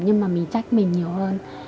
nhưng mà mình trách mình nhiều hơn